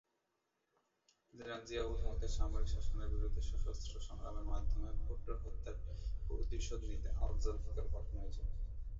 General জিয়া-উল-হকের সামরিক শাসনের বিরুদ্ধে সশস্ত্র সংগ্রামের মাধ্যমে ভুট্টো হত্যার প্রতিশোধ নিতে আল-জুলফিকার গঠিত হয়েছিল।